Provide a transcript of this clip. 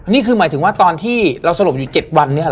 นี่คือหมายถึงว่าตอนที่เราสลบอยู่๗วันเนี่ยเห